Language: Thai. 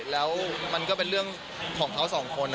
แล้วมันก็เป็นเรื่องของเขาสองคน